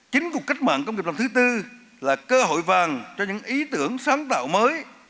chính cuộc cách mạng công nghiệp lần thứ tư là cơ hội vàng cho những ý tưởng sáng tạo mới